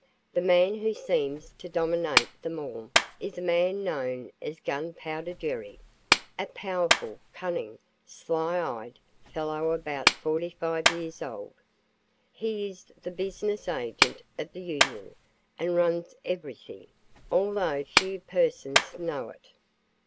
The man who seems to dominate them all is a man known as 'Gunpowder' Gerry, a powerful, cunning, sly eyed fellow about 45 years old. He is the business agent of the union and runs everything, although few persons know it.